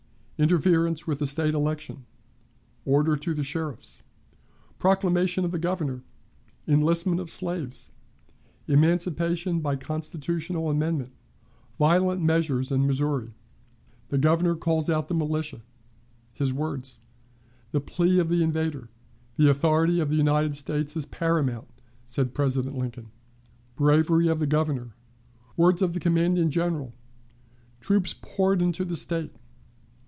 Interference with the State Election. Order to the Sheriffs. Proclamation of the Governor. Enlistment of Slaves. Emancipation by Constitutional Amendment. Violent Measures in Missouri. The Governor calls out the Militia. His Words. The Plea of the Invader. "The Authority of the United States is Paramount," said President Lincoln. Bravery of the Governor. Words of the Commanding General. Troops poured into the State.